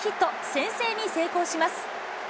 先制に成功します。